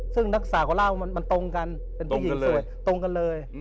ซึ่งนักศึกษาเขาเล่ามันตรงกันเป็นผู้หญิงสวยตรงกันเลย